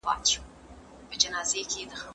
لږه را ماته شه! لږ ځان بدل کړه ما بدل کړه